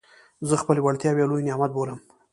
زه خپلي وړتیاوي یو لوی نعمت بولم.